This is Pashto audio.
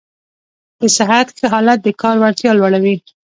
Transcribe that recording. د صحت ښه حالت د کار وړتیا لوړوي.